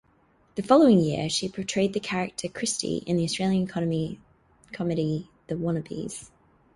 The following year, she portrayed the character Kristy in the Australian comedy "The Wannabes".